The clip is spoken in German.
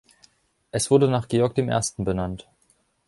Es wurde nach Georg I. benannt.